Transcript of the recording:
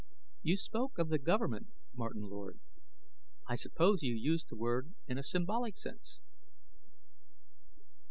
"You spoke of the government, Martin Lord; I suppose you used the word in a symbolic sense?"